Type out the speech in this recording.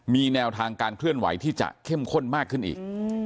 มีแนวทางการเคลื่อนไหวที่จะเข้มข้นมากขึ้นอีก